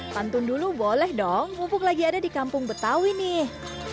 pantun dulu boleh dong mumpuk lagi ada di kampung betawi nih